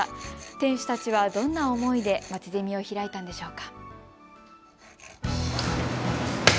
店主たちはどんな思いでまちゼミを開いたんでしょうか。